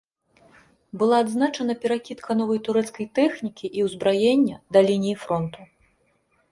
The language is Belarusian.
Была адзначана перакідка новай турэцкай тэхнікі і ўзбраення да лініі фронту.